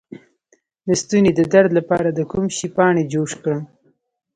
د ستوني د درد لپاره د کوم شي پاڼې جوش کړم؟